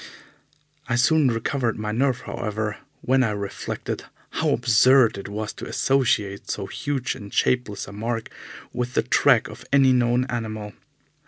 I soon recovered my nerve, however, when I reflected how absurd it was to associate so huge and shapeless a mark with the track of any known animal.